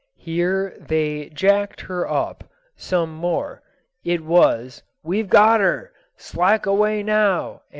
Here they "jacked her up" some more (it was "We've got her!" "Slack away now!"